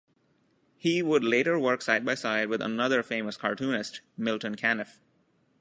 He would later work side-by-side with another famous cartoonist, Milton Caniff.